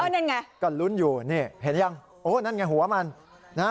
นั่นไงก็ลุ้นอยู่นี่เห็นยังโอ้นั่นไงหัวมันนะฮะ